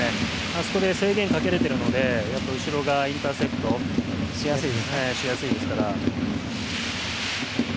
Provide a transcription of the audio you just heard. あそこで制限をかけられたので後ろがインターセプトをしやすいですから。